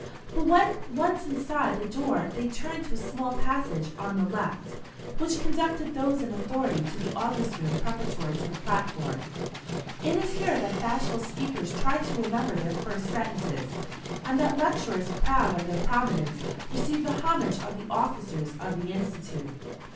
But when once inside the door they turned to a small passage on the left, which conducted those in authority to the august room preparatory to the platform. It is here that bashful speakers try to remember their first sentences, and that lecturers, proud of their prominence, receive the homage of the officers of the Institute.